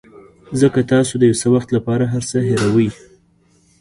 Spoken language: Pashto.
ځکه تاسو د یو څه وخت لپاره هر څه هیروئ.